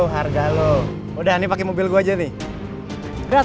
sampai jumpa di video selanjutnya